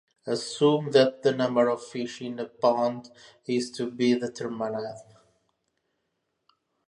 Assume that the number of fish in a pond is to be determined.